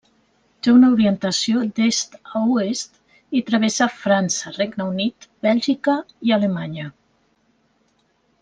Té una orientació d'est a oest i travessa França, Regne Unit, Bèlgica i Alemanya.